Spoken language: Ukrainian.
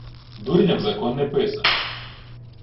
Дурням закон не писаний.